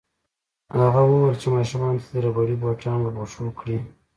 هغه وویل چې ماشومانو ته دې ربړي بوټان ورپه پښو کړي